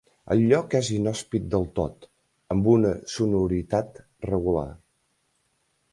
El lloc és inhòspit del tot, amb una sonoritat regular.